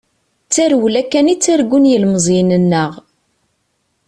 D tarewla kan i ttargun yilemẓiyen-nneɣ.